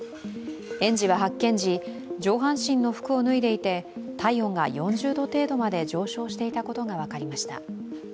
園児は発見時、上半身の服を脱いでいて体温が４０度程度まで上昇していたことが分かりました。